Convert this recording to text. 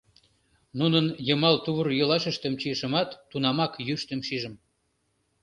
Нунын йымал тувыр-йолашыштым чийышымат, тунамак йӱштым шижым.